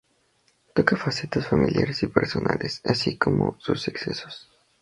Toca facetas familiares y personales, así como sus excesos.